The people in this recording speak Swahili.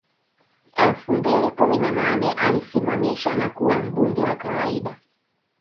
Elfu mbili kumi na nane alisimamishwa na kuwa mbunge wa kawaida